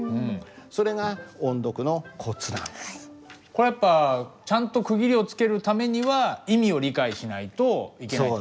これやっぱちゃんと区切りをつけるためには意味を理解しないといけない。